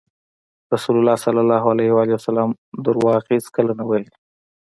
رسول الله ﷺ دروغ هېڅکله نه ویل.